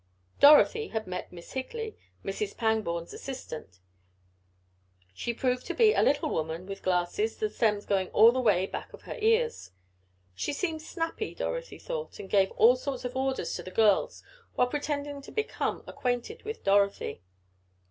Dorothy had met Miss Higley, Mrs. Pangborn's assistant. She proved to be a little woman with glasses, the stems going all the way back of her ears. She seemed snappy, Dorothy thought, and gave all sorts of orders to the girls while pretending to become acquainted with Dorothy.